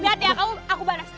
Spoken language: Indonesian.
lihat ya aku banyak stres